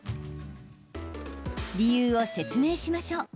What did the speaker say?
理由を説明しましょう。